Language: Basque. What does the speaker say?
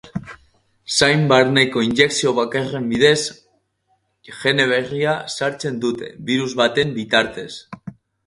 Zain barneko injekzio bakarraren bidez gene berria sartzen dute, birus baten bitartez.